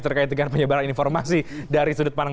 terkait dengan penyebaran informasi dari sudut pandang